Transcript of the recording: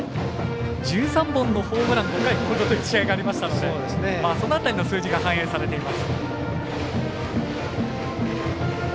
１３本のホームランという試合がありましたので５回コールド、その辺りの数字が反映されています。